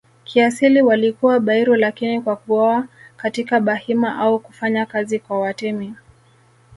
kiasili walikuwa Bairu lakini kwa kuoa katika Bahima au kufanya kazi kwa Watemi